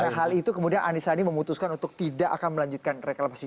nah itu kemudian anisani memutuskan untuk tidak akan melanjutkan reklamasi